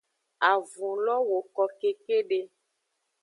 Avun lo woko kekede.